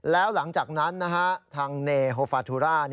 แล้วหลังจากนั้นทางเนโฮฟาทุรา